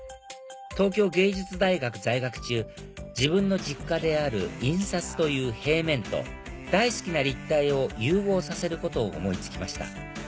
東京藝術大学在学中自分の実家である印刷という平面と大好きな立体を融合させることを思い付きました